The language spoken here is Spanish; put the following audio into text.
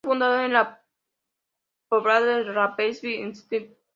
Fue fundado en en la poblado de Rapperswil en St.